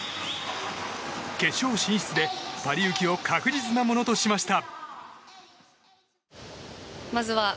決勝進出でパリ行きを確実なものにしました。